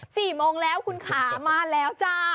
สี่โมงแล้วคุณขามาแล้วจ้า